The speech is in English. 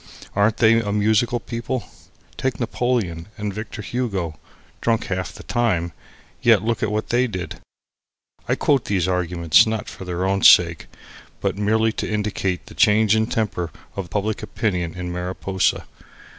Aren't they a musical people? Take Napoleon, and Victor Hugo; drunk half the time, and yet look what they did. I quote these arguments not for their own sake, but merely to indicate the changing temper of public opinion in Mariposa.